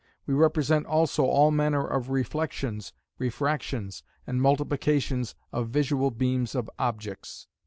We represent also all manner of reflexions, refractions, and multiplications of visual beams of objects.